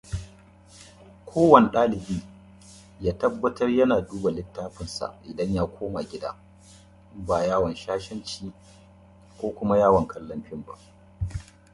Even as Scholes and Kerr spoke, Smith reached Parliament House.